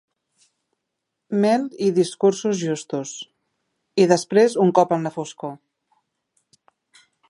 Mel i discursos justos i, després un cop en la foscor.